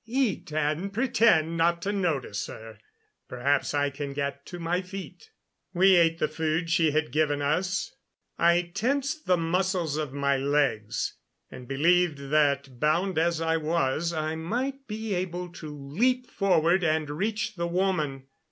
"Eat, and pretend not to notice her. Perhaps I can get to my feet." We ate the food she had given us. I tensed the muscles of my legs, and believed that, bound as I was, I might be able to leap forward and reach the woman.